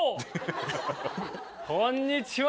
こんにちは！